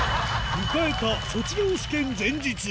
迎えた卒業試験前日。